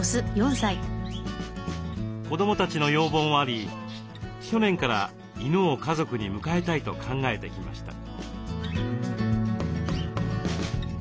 子どもたちの要望もあり去年から犬を家族に迎えたいと考えてきました。